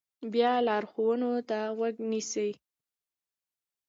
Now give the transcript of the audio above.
بیا لارښوونو ته غوږ نیسي.